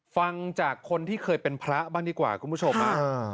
ฟังจากคนที่เคยเป็นพระบ้างดีกว่าคุณผู้ชม